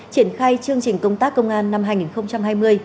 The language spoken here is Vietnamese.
triển khai chương trình công tác công an năm hai nghìn hai mươi